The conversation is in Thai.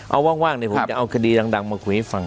เอาว่างเนี่ยผมจะเอาคดีดังมาคุยให้ฟัง